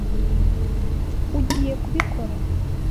Ugiye kubikora.